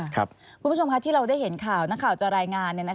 คุณผู้ชมค่ะที่เราได้เห็นข่าวนักข่าวจะรายงาน